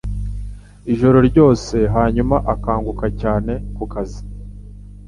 ijoro ryose hanyuma akanguka cyane kukazi